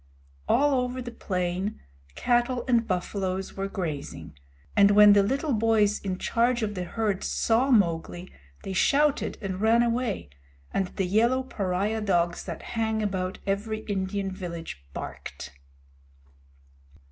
All over the plain, cattle and buffaloes were grazing, and when the little boys in charge of the herds saw Mowgli they shouted and ran away, and the yellow pariah dogs that hang about every Indian village barked.